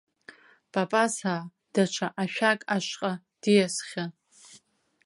Папаса даҽа ашәак ашҟа диасхьан.